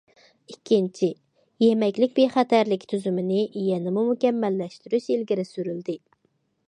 ئىككىنچى، يېمەكلىك بىخەتەرلىكى تۈزۈمىنى يەنىمۇ مۇكەممەللەشتۈرۈش ئىلگىرى سۈرۈلدى.